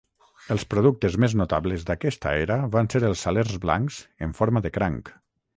Els productes més notables d'aquesta era van ser els salers blancs en forma de cranc.